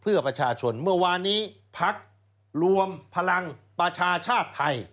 เพื่อประชาชนเมื่อวานนี้พักรวมพลังประชาชาติไทย